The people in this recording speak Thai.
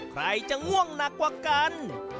ใครจะง่วงหนักกว่ากัน